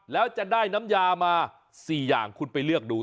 แล้วจะได้น้ำยามา๔อย่างคุณไปเลือกดู